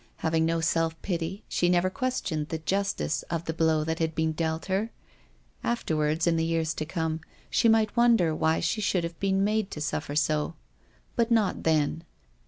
Having no self pity, she never ques tioned the justice of the blow that had been dealt her. Afterward, in the years to come, she might wonder why she should have been made to suffer so. But not then.